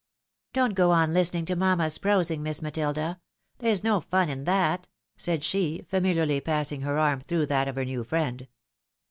" Don't go on listening to mamma's prosing. Miss Matilda; there's no fun in that," said she, familiarly passing her arm through that of her new friend.